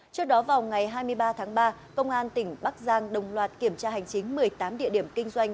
trước đó vào ngày hai mươi ba tháng ba công an tỉnh bắc giang đồng loạt kiểm tra hành chính một mươi tám địa điểm kinh doanh